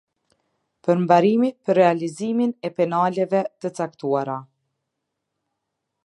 Përmbarimi për realizimin e penaleve të caktuara.